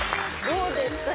どうですか？